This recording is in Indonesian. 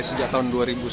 sejak tahun dua ribu satu